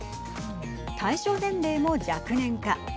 対象年齢も若年化。